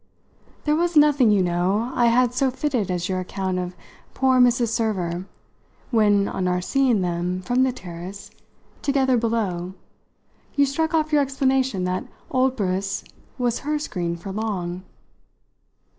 "There was nothing, you know, I had so fitted as your account of poor Mrs. Server when, on our seeing them, from the terrace, together below, you struck off your explanation that old Briss was her screen for Long."